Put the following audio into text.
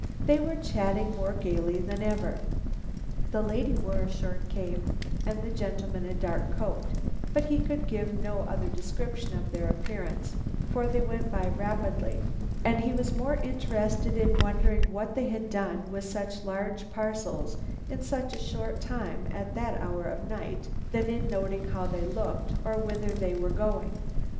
They were chatting more gaily than ever. The lady wore a short cape, and the gentleman a dark coat, but he could give no other description of their appearance, for they went by rapidly, and he was more interested in wondering what they had done with such large parcels in such a short time at that hour of night, than in noting how they looked or whither they were going.